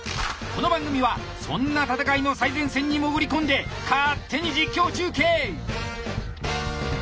この番組はそんな戦いの最前線に潜り込んで勝手に実況中継！